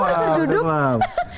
oh produser duduk